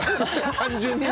単純に。